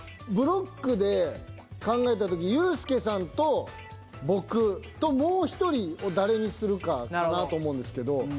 ブロックで考えた時ユースケさんと僕とを誰にするかかなと思うんですけど。